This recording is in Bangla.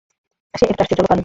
সে এদিকে আসছে, চলো পালাই।